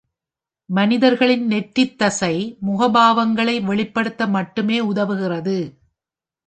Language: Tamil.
மனிதர்களின் நெற்றி தசை முகபாவனைகளை வெளிப்படுத்த மட்டுமே உதவுகிறது.